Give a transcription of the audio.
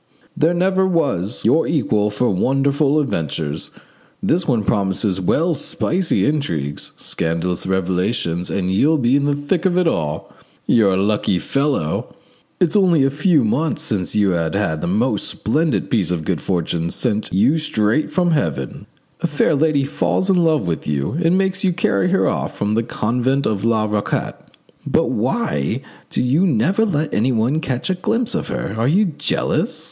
There never was your equal for wonderful adventures. This one promises well spicy intrigues, scandalous revelations, and you'll be in the thick of it all. You're a lucky fellow! It's only a few months since you had the most splendid piece of good fortune sent you straight from heaven. A fair lady falls in love with you and makes you carry her off from the convent of La Raquette. But why do you never let anyone catch a glimpse of her? Are you jealous?